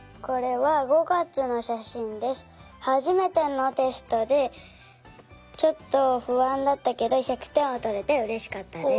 はじめてのテストでちょっとふあんだったけど１００てんをとれてうれしかったです。